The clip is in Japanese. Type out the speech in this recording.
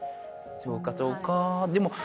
そうかそうか。